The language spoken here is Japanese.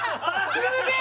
すげえ！